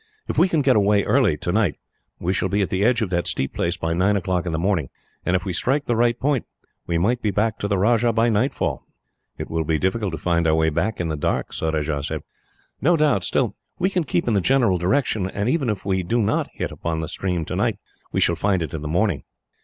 If we can get away early, tonight, we shall be at the edge of that steep place by nine o'clock in the morning, and if we strike the right point, we might be back to the Rajah by nightfall." "It will be difficult to find our way back in the dark," Surajah said. "No doubt. Still, we can keep in the general direction, and even if we do not hit upon the stream tonight, we shall find it in the morning."